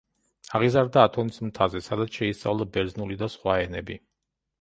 აღიზარდა ათონის მთაზე, სადაც შეისწავლა ბერძნული და სხვა ენები.